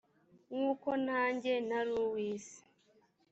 nk uko nanjye ntari uw isi